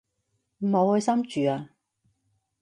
唔好開心住啊